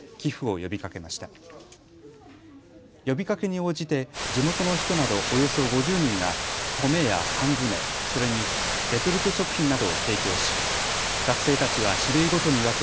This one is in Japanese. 呼びかけに応じて地元の人などおよそ５０人が米や缶詰、それにレトルト食品などを提供し学生たちは種類ごとに分け